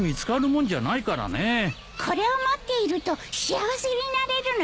これを持っていると幸せになれるのよ。